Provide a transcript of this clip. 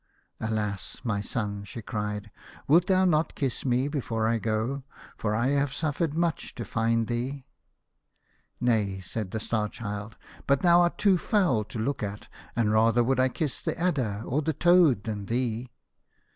" Alas ! my son," she cried, " wilt thou not kiss me before I go ? For I have suffered much to find thee." " Nay," said the Star Child, " but thou art too foul to look at, and rather would I kiss the adder or the toad than thee."